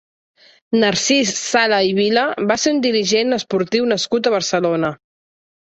Narcís Sala i Vila va ser un dirigent esportiu nascut a Barcelona.